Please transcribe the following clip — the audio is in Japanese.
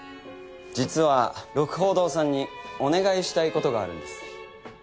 実は鹿楓堂さんにお願いしたい事があるんです。